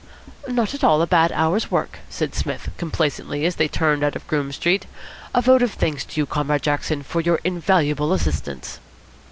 "Not at all a bad hour's work," said Psmith complacently, as they turned out of Groome Street. "A vote of thanks to you, Comrade Jackson, for your invaluable assistance."